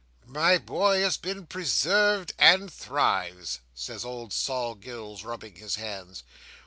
"My boy has been preserved and thrives," says old Sol Gills, rubbing his hands.